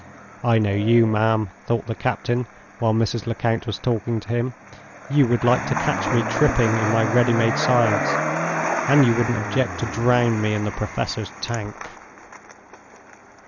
"I know you, ma'am!" thought the captain, while Mrs. Lecount was talking to him. "You would like to catch me tripping in my ready made science, and you wouldn't object to drown me in the Professor's Tank!"